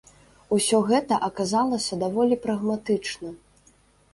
Усё гэта аказалася даволі прагматычна.